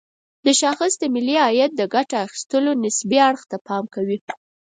دا شاخص د ملي عاید د ګټه اخيستلو نسبي اړخ ته پام کوي.